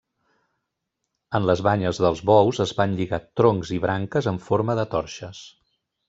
En les banyes dels bous es van lligar troncs i branques en forma de torxes.